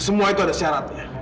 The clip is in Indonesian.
semua itu ada syaratnya